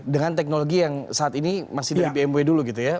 dengan teknologi yang saat ini masih dari bmw dulu gitu ya